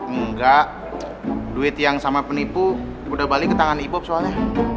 enggak duit yang sama penipu udah balik ke tangan i pop soalnya